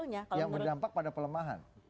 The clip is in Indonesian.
yang berdampak pada pelemahan